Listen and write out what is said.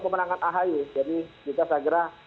pemenangan ahy jadi kita saya kira